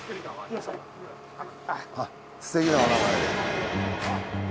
あっすてきなお名前で。